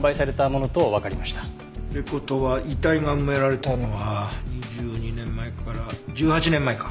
って事は遺体が埋められたのは２２年前から１８年前か。